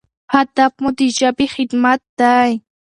هدف مو د ژبې خدمت دی.